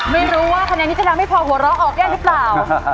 ไม่รู้ว่าคะแนนนี้จะทำให้พอหัวเราะออกได้หรือเปล่า